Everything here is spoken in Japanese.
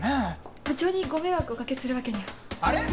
部長にご迷惑お掛けするわけにはあれっ？